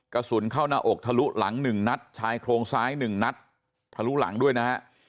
กระสุนเข้าหน้าอกทะลุหลัง๑นัดชายโครงซ้าย๑นัดทะลุหลังด้วยนะฮะ